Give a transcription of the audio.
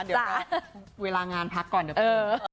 เดี๋ยวนะเวลางานพักก่อนเดี๋ยวเถอะ